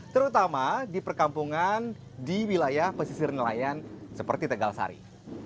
terutama di perkampungan di wilayah pesisir nelayan seperti tegal sari